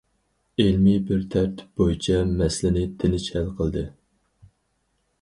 ئىلمىي بىر تەرتىپ بويىچە مەسىلىنى تىنچ ھەل قىلدى.